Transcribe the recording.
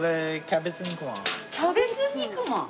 キャベツ肉まん？